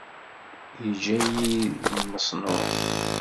Iǧǧa-yi d lmeṣnuɛ.